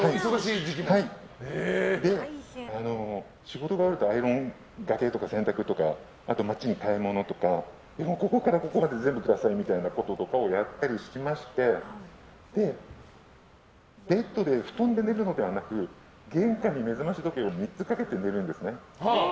仕事があるとアイロンがけとか洗濯とか、街に買い物とかここからここまで全部くださいみたいなことをやったりしましてベッドで布団で寝るのではなく玄関に目覚まし時計を３つかけて寝るんですね。